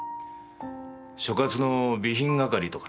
所轄の備品係とかな。